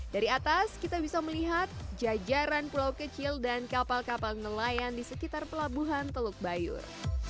dari atas kita bisa melihat jajaran pulau kecil dan kapal kapal nelayan di sekitar pelabuhan teluk bayur